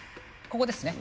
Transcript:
ここですね。